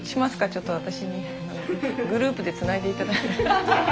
ちょっと私にグループでつないでいただいて。